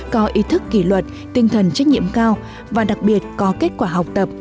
có ý thức kỷ luật tinh thần trách nhiệm cao và đặc biệt có kết quả học tập